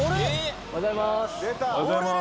おはようございます。